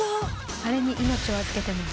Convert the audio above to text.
「あれに命を預けてます」